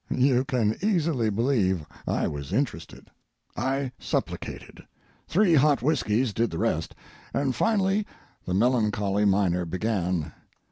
You can easily believe I was interested. I supplicated—three hot whiskeys did the rest—and finally the melancholy miner began.